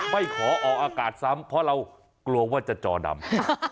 ไม่ขอออกอากาศซ้ำเพราะเรากลัวว่าจะจอดำ